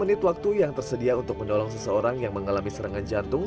dua puluh menit waktu yang tersedia untuk menolong seseorang yang mengalami serangan jantung